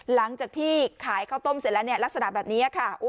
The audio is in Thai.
หลังจากที่ขายข้าวต้มเสร็จแล้วเนี่ยลักษณะแบบนี้ค่ะ